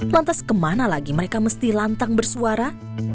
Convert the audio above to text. lantas kemana lagi mereka mesti lantang bersuara